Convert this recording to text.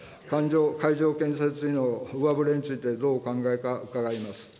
会場建設費の上振れについてどうお考えか、伺います。